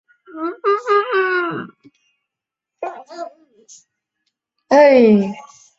主席和行政总裁为韦杰。